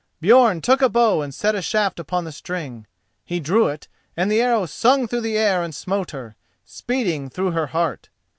Björn took a bow and set a shaft upon the string. He drew it and the arrow sung through the air and smote her, speeding through her heart.